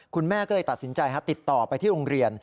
คุณแม่ก็เลยตัดสินใจติดต่อไปที่โรงเรียน